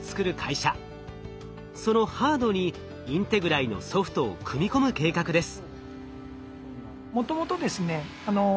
そのハードにＩｎｔｅｇｒＡＩのソフトを組み込む計画です。